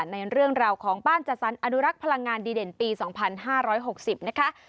ในเรื่องราวของบ้านจัดสรรอนุรักษ์พลังงานดีเด่นปี๒๕๖๐นะคะ